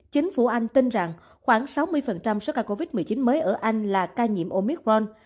chính phủ anh tin rằng khoảng sáu mươi số ca covid một mươi chín mới ở anh là ca nhiễm omicron